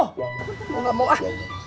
oh gak mau ah